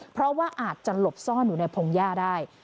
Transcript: เพราะว่าอาจจะหลบซ่อนอยู่ในพงหญ้าได้